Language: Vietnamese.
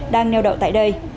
đang neo đậu tại đây